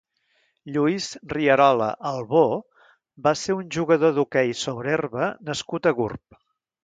Lluís Rierola Albó va ser un jugador d'hoquei sobre herba nascut a Gurb.